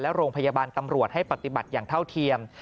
และโรงพยาบาลตำรวจให้ปฏิบัติอย่างเท่าเทียม